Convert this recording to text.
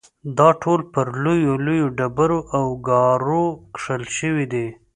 دا ټول پر لویو لویو ډبرو او ګارو کښل شوي دي.